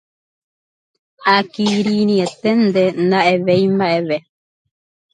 Akirirĩeténte, nda'evéi mba'eve